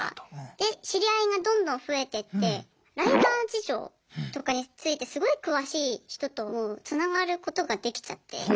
で知り合いがどんどん増えてってライバー事情とかについてすごい詳しい人ともつながることができちゃって。